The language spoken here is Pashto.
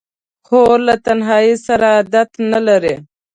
خور له تنهایۍ سره عادت نه لري.